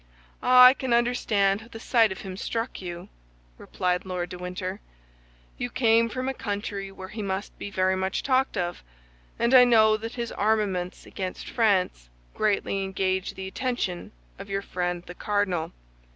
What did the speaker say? Ah, I can understand how the sight of him struck you," replied Lord de Winter. "You came from a country where he must be very much talked of, and I know that his armaments against France greatly engage the attention of your friend the cardinal."